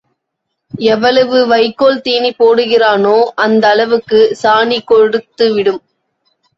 எவ்வளவு, வைக்கோல் தீனி போடுகிறானோ அந்த அளவுக்கு சாணி கொடுத்து விடும்.